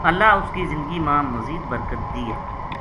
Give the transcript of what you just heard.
اللہ اس کی زندگی ما مزید برکت دیے